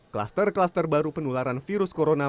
kluster kluster baru penularan virus corona